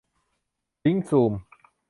ลิงก์ซูม